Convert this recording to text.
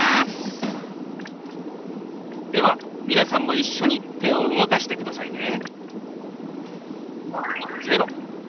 では皆さんも一緒に手を動かしてくださいね。